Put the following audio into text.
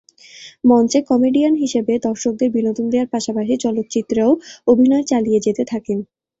মঞ্চে কমেডিয়ান হিসেবে দর্শকদের বিনোদন দেয়ার পাশাপাশি চলচ্চিত্রেও অভিনয় চালিয়ে যেতে থাকেন।